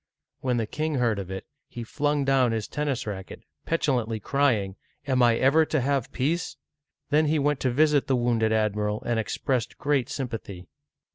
When the king heard of it, he flung down his ten nis racket, petulantly crying, "Am I never to have peace?" Then he went to visit the wounded admiral, and expressed great sympathy.